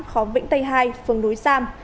khóm vĩnh tây hai phường núi sam